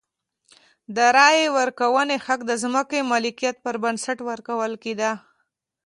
د رایې ورکونې حق د ځمکې مالکیت پر بنسټ ورکول کېده.